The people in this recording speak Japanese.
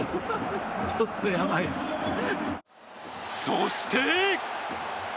そして。